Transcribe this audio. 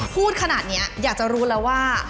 พูดขนาดนี้อยากจะรู้แล้วว่า